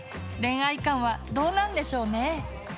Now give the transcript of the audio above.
恋愛観はどうなんでしょうね？